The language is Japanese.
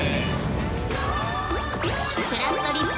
「ぷらっとりっぷ」